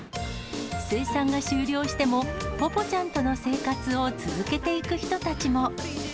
生産が終了しても、ぽぽちゃんとの生活を続けていく人たちも。